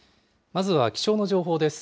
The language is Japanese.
まずは気象の情報です。